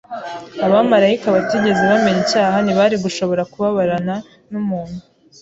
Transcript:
Abamarayika batigeze bamenya icyaha ntibari gushobora kubabarana n’umuntu